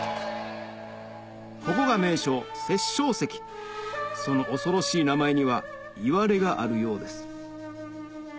ここが名所その恐ろしい名前にはいわれがあるようです